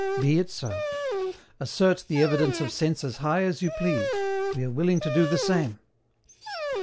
Be it so; assert the evidence of sense as high as you please, we are willing to do the same.